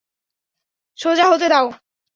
সোজা হতে দাও!